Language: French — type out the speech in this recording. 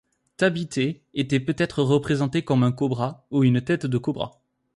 Tabithet était peut-être représentée comme un cobra ou une tête de cobra.